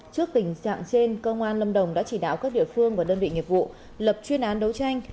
trước tình trạng trên công an lâm đồng đã chỉ đạo các địa phương và đơn vị nghiệp vụ lập chuyên án đấu tranh